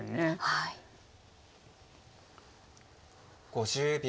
５０秒。